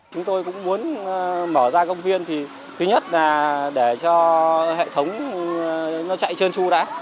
chúng tôi cũng muốn mở ra công viên thì thứ nhất là để cho hệ thống nó chạy trơn tru đã